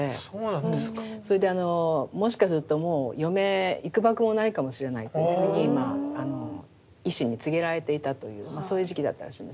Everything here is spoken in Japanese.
それでもしかするともう余命いくばくもないかもしれないというふうに医師に告げられていたというそういう時期だったらしいんですね。